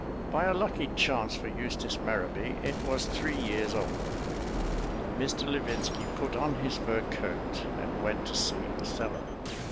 By a lucky chance for Eustace Merrowby it was three years old. Mr. Levinski put on his fur coat and went to see "Othello."